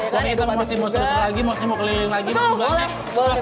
bagaimana sih kalau kita mau lihat